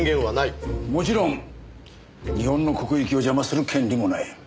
もちろん日本の国益を邪魔する権利もない。